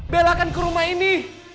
bella akan ke rumah ini